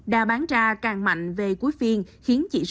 đã bán ra càng mạnh về cuối phiên